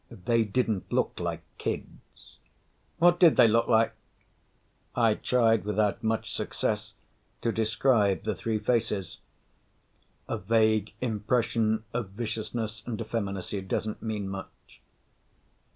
They didn't look like 'kids.'" "What did they look like?" I tried without much success to describe the three faces. A vague impression of viciousness and effeminacy doesn't mean much.